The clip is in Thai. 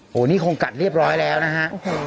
โอ้โหนี่คงกัดเรียบร้อยแล้วนะฮะ